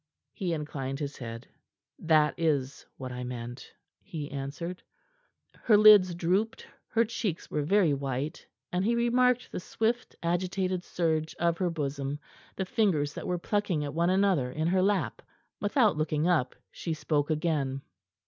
He inclined his head. "That is what I meant," he answered. Her lids drooped; her cheeks were very white, and he remarked the swift, agitated surge of her bosom, the fingers that were plucking at one another in her lap. Without looking up, she spoke again.